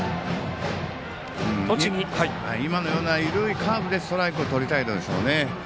今のような緩いカーブでストライクをとりたいんでしょう。